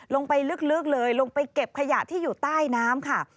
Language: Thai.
ลงไปลึกเลยลงไปเก็บขยะที่อยู่ใต้น้ำค่ะ